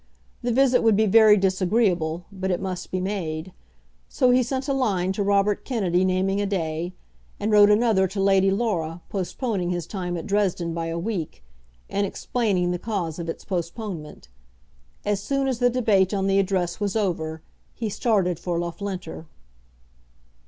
The visit would be very disagreeable, but it must be made. So he sent a line to Robert Kennedy naming a day; and wrote another to Lady Laura postponing his time at Dresden by a week, and explaining the cause of its postponement. As soon as the debate on the Address was over he started for Loughlinter.